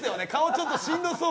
ちょっとしんどそう。